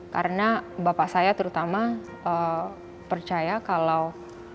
karena bapak saya terutama percaya kalau